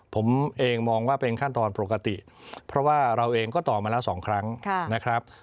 ผมเองมองว่าเป็นขั้นตอนปกติเพราะว่าเราเองก็ตอบมาแล้ว๒ครั้งนะครับ